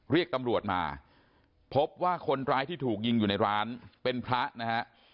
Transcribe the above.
เรียกตำรวจมาพบว่าคนร้ายที่ถูกยิงอยู่ในร้านเป็นพระนะฮะ